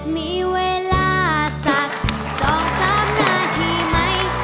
มีเวลาสัก๒๓นาทีไหม